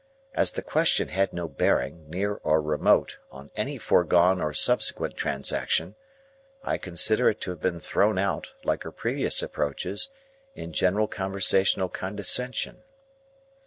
As the question had no bearing, near or remote, on any foregone or subsequent transaction, I consider it to have been thrown out, like her previous approaches, in general conversational condescension.